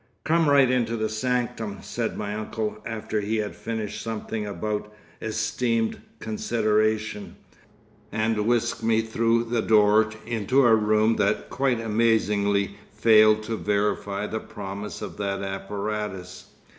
"Come right into the sanctum," said my uncle, after he had finished something about "esteemed consideration," and whisked me through the door into a room that quite amazingly failed to verify the promise of that apparatus.